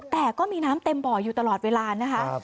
แต่ก็มีน้ำเต็มบ่ออยู่ตลอดเวลานะคะ